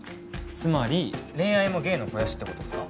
つまり恋愛も芸の肥やしってことですか？